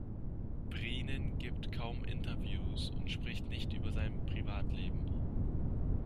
Brienen gibt kaum Interviews und spricht nicht über sein Privatleben.